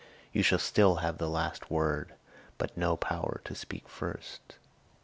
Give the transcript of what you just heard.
You shall still have the last word, but no power to speak first."